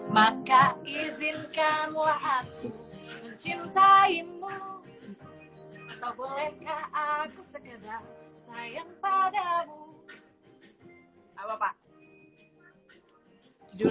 maka izinkanlah aku mencintaimu atau bolehkah aku sekedar sayang padamu